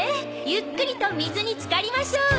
ゆっくりと水に浸かりましょう。